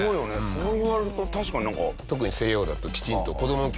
そう言われると確かになんか。